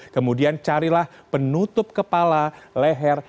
kemudian carilah penutup kepala leher